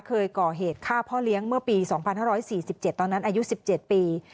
เคยก่อเหตุฆ่าพ่อเลี้ยงเมื่อปี๒๕๔๗ตอนนั้นอายุ๑๗ปี